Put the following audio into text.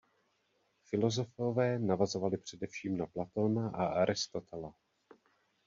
Filozofové navazovali především na Platóna a Aristotela.